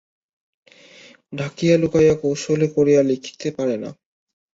ঢাকিয়া লুকাইয়া কৌশল করিয়া লিখিতে পারে না।